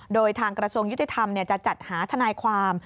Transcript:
โดยทางกระทรวงยุติธรรมจะจัดหาทนายความ